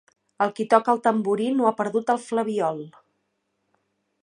El qui toca el tamborí no ha perdut el flabiol.